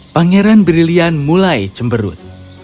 pangeran brilliant mulai cemberut